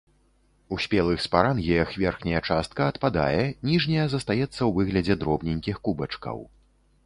У спелых спарангіях верхняя частка адпадае, ніжняя застаецца ў выглядзе дробненькіх кубачкаў.